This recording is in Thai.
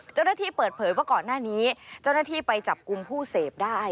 เจ้าหน้าที่เปิดเผยว่าก่อนหน้านี้เจ้าหน้าที่ไปจับกลุ่มผู้เสพได้